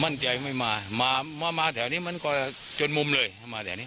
มั่นใจไม่มามาแถวนี้มันก็จนมุมเลยถ้ามาแถวนี้